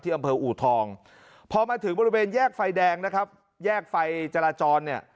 อำเภออูทองพอมาถึงบริเวณแยกไฟแดงนะครับแยกไฟจราจรเนี่ย